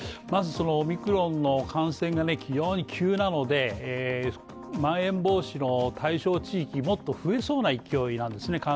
まずオミクロンの感染が急なので、まん延防止の対象地域もっと増えそうな勢いなんですね